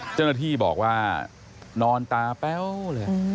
เจ้าหน้าที่บอกว่านอนตาแป้วเลย